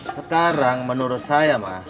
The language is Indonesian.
sekarang menurut saya ma